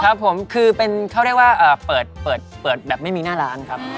ครับผมคือเป็นเขาเรียกว่าเปิดแบบไม่มีหน้าร้านครับ